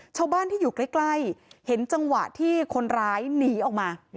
ชาวบ้านที่อยู่ใกล้เห็นจังหวะที่คนร้ายหนีออกมา